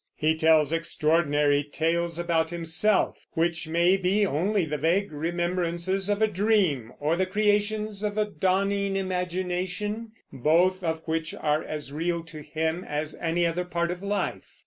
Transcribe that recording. He tells extraordinary tales about himself, which may be only the vague remembrances of a dream or the creations of a dawning imagination, both of which are as real to him as any other part of life.